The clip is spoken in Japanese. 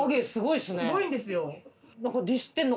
すごいんですよ。